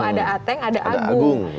ada ateng ada agung